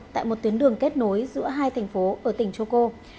tại một tuyến đường kết nối giữa hai thành phố ở tỉnh choko